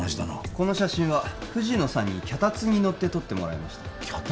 この写真は藤野さんに脚立に乗って撮ってもらいました脚立？